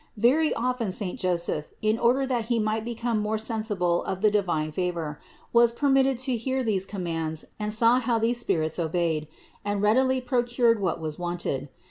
Very often saint Joseph, in order that he might become more sensible of the divine favor, was permitted to hear these commands and saw how these spirits obeyed and readily procured what was wanted.